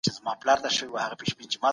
موږ د سیب په خوړلو بوخت یو.